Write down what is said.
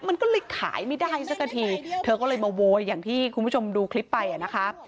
มันก็เลยขายไม่ได้สักทีเธอก็เลยมาโวยอย่างที่คุณผู้ชมดูคลิปไปอ่ะนะคะ